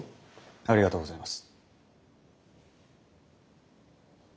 ありがとうございます。